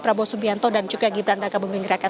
prabowo subianto dan juga gibranda kabupaten geraka